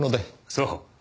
そう。